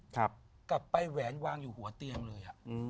กลับไปแหวนวางอยู่หัวเตียงเลย